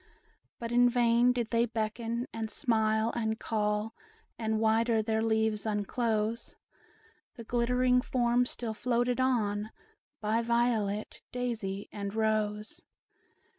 But in vain did they beckon, and smile, and call, And wider their leaves unclose; The glittering form still floated on, By Violet, Daisy, and Rose.